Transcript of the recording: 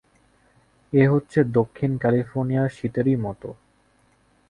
এ হচ্ছে দক্ষিণ ক্যালিফোর্নিয়ার শীতেরই মত।